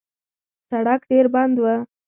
سړک ډېر بند و.